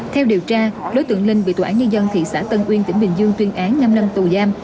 theo điều tra đối tượng linh bị tòa án nhân dân thị xã tân uyên tỉnh bình dương tuyên án năm năm tù giam